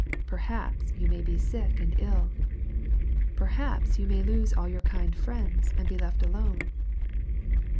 Perhaps you may be sick and ill. Perhaps you may lose all your kind friends, and be left alone.